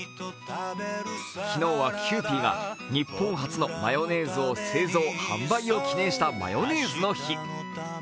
昨日はキユーピーが日本初のマヨネーズの製造・販売を記念したマヨネーズの日。